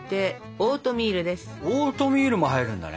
オートミールも入るんだね。